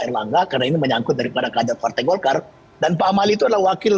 erlangga karena ini menyangkut daripada kader partai golkar dan pak amali itu adalah wakil